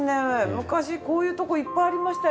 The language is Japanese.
昔こういう所いっぱいありましたよ。